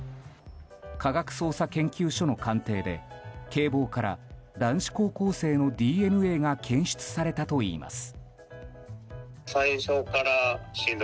科学捜査研究所の鑑定で警棒から男子高校生のＤＮＡが検出されたといいます。